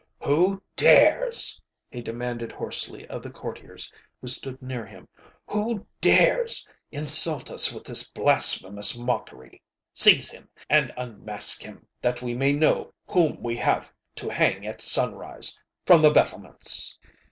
ŌĆ£Who dares? ŌĆØ he demanded hoarsely of the courtiers who stood near himŌĆöŌĆ£who dares insult us with this blasphemous mockery? Seize him and unmask himŌĆöthat we may know whom we have to hang at sunrise, from the battlements!